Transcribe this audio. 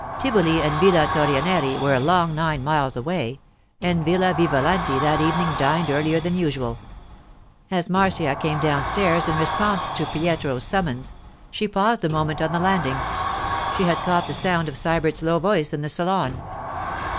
Tivoli and Villa Torrenieri were a long nine miles away, and Villa Vivalanti that evening dined earlier than usual. As Marcia came downstairs in response to Pietro's summons, she paused a moment on the landing; she had caught the sound of Sybert's low voice in the salon.